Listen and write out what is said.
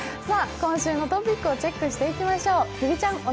今週のトピックをチェックしていきましょう。